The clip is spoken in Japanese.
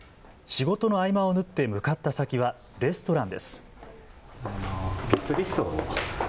仕事の合間を縫って向かった先はレストランです。